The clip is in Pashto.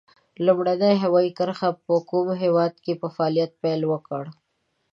لومړنۍ هوایي کرښې په کوم هېواد کې په فعالیت پیل وکړ؟